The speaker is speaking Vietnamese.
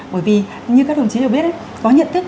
thì như các đồng chí đều biết có nhận thức